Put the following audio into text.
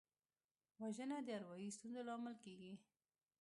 وژنه د اروايي ستونزو لامل کېږي